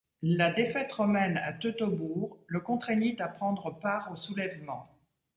La défaite romaine à Teutobourg le contraignit à prendre part au soulèvement.